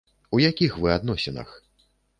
У якіх вы адносінах?